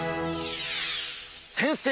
先生